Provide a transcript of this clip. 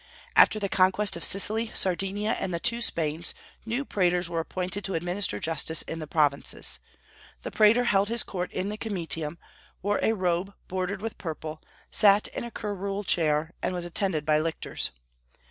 After the conquest of Sicily, Sardinia, and the two Spains, new praetors were appointed to administer justice in the provinces. The praetor held his court in the comitium, wore a robe bordered with purple, sat in a curule chair, and was attended by lictors.